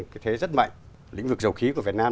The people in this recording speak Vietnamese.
cái thế rất mạnh lĩnh vực dầu khí của việt nam